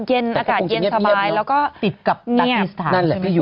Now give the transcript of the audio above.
เย็นอากาศเย็นสบายแล้วก็ติดกับตักอีสถานใช่ไหม